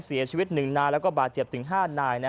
เสียชีวิตหนึ่งนานและบาดเจียบถึง๕นาย